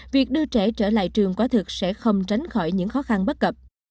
việc đưa trẻ trở lại trường quá thực sẽ không tránh khỏi những khó khăn bất cập